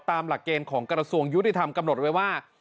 ตามหลักเกณฑ์ของกระทรวงยุติธรรมกำหนดไว้ว่า